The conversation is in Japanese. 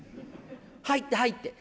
入って入って。